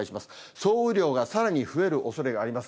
総雨量がさらに増えるおそれがあります。